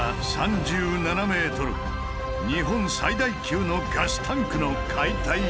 日本最大級のガスタンクの解体現場。